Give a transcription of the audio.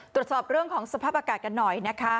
ตรวจสอบเรื่องของสภาพอากาศกันหน่อยนะคะ